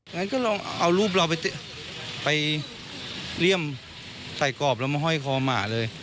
งั้นก็ลองเอารูปเราไปเลี่ยมใส่กรอบแล้วมาห้อยคอหมาเลย